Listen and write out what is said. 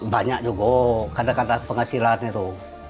banyak juga kadang kadang penghasilan itu